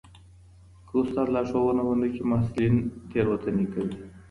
که استاد لارښوونه ونه کړي محصلین تېروتنې کوي.